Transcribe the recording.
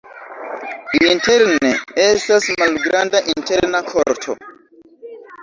Interne estas malgranda interna korto.